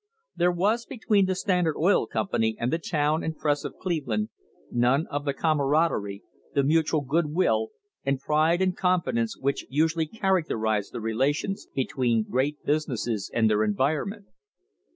There was between the Standard Oil Company and the town and press of Cleve land none of the camaraderie, the mutual good will and pride and confidence which usually characterise the relations between great businesses and their environment.